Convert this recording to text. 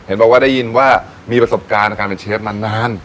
เห็นบอกว่าได้ยินว่ามีประสบการณ์ในการเป็นเชฟนาน